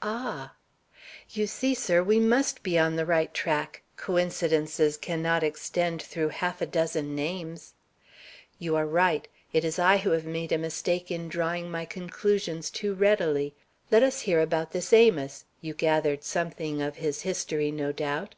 "Ah!" "You see, sir, we must be on the right track; coincidences cannot extend through half a dozen names." "You are right. It is I who have made a mistake in drawing my conclusions too readily. Let us hear about this Amos. You gathered something of his history, no doubt."